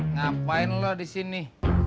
ngapain lo disini